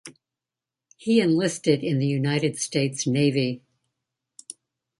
He enlisted in the United States Navy.